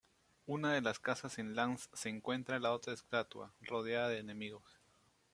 Una de las casas en Lance se encuentra la otra estatua, rodeada de enemigos.